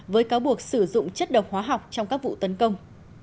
với cáo buộc sử dụng chất độc hóa học trong các vụ tấn công